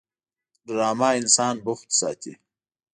ډرامه انسان بوخت ساتي